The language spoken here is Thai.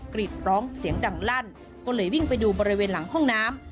กรีดร้องเสียงดังลั่นก็เลยวิ่งไปดูบริเวณหลังห้องน้ำ